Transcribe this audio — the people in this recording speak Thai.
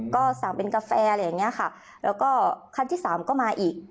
ก็สั่งเป็นกาแฟอะไรอย่างเงี้ยค่ะแล้วก็ขั้นที่สามก็มาอีก